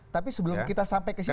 tapi sebelum kita sampai ke situ mas eko